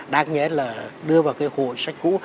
đáng nhẽ là đưa vào cái hội sách cũ